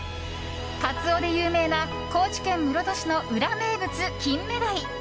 カツオで有名な高知県室戸市の裏名物、キンメダイ。